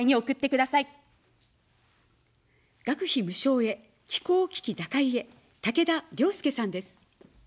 学費無償へ、気候危機打開へ、たけだ良介さんです。